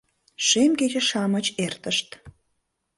Шем кече-шамыч эртышт